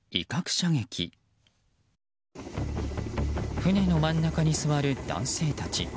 船の真ん中に座る男性たち。